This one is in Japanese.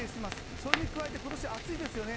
それに加え、今年は暑いですよね。